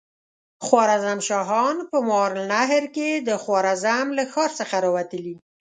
خوارزم شاهان په ماوراالنهر کې د خوارزم له ښار څخه را وتلي.